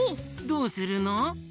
どうするの？